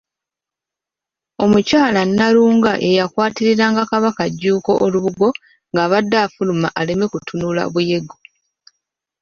Omukyala Nnalunga ye yakwatiriranga Kabaka Jjuuko olubugo ng'abadde afuluma aleme kutunula Buyego.